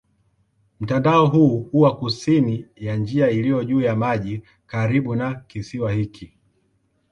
Mtandao huu huwa kusini ya njia iliyo juu ya maji karibu na kisiwa hiki.